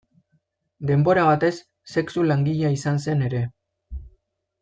Denbora batez sexu langilea izan zen ere.